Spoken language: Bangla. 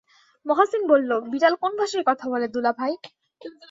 মহসিন বলল, বিড়াল কোন ভাষায় কথা বলে দুলাভাই?